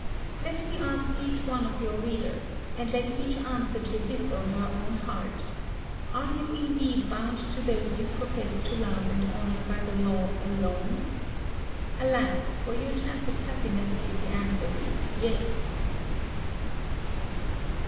Let me ask each one of your readers, and let each answer to his or her own heart: 'Are you indeed bound to those you profess to love and honour by the law alone? Alas! for your chance of happiness, if the answer be 'Yes!'"